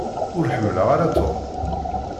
Ur ḥemmleɣ ara Tom.